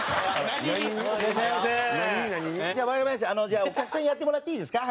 じゃあお客さんやってもらっていいですか？